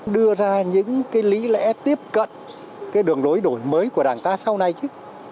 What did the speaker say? đưa ra những cái lý lẽ tiếp cận cái đường lối đổi mới của đảng ta sau này chứ